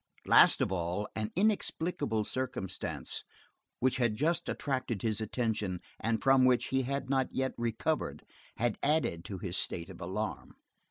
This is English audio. Last of all, an inexplicable circumstance which had just attracted his attention, and from which he had not yet recovered, had added to his state of alarm.